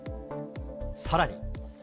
さらに。